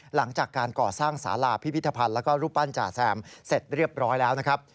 หลังจากการก่อสร้างสาราพิพิธภัณฑ์แล้วก็รูปปั้นจ่าแซมเสร็จเรียบร้อยแล้วนะครับ